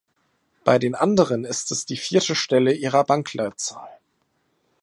Bei den anderen ist es die vierte Stelle ihrer Bankleitzahl.